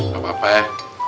gak apa apa ya